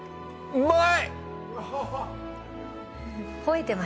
うまい！